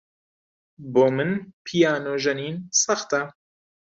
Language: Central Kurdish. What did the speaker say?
بۆ من پیانۆ ژەنین سەختە.